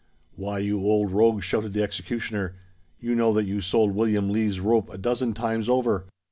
"Why, you old rogue," shouted the executioner, "you know that you sold William Lees's rope a dozen times over.